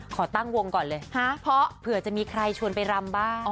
ขอตั้งวงก่อนเลยเพราะเผื่อจะมีใครชวนไปรำบ้าง